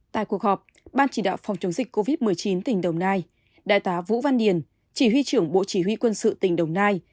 tại cuộc họp ban chỉ đạo phòng chống dịch covid một mươi chín tỉnh đồng nai đại tá vũ văn điển chỉ huy trưởng bộ chỉ huy quân sự tỉnh đồng nai